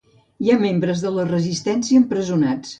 Hi ha membres de la resistència empresonats.